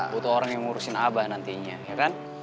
butuh orang yang ngurusin abah nantinya ya kan